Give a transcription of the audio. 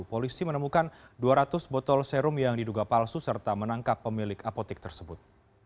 polisi menemukan dua ratus botol serum yang diduga palsu serta menangkap pemilik apotik tersebut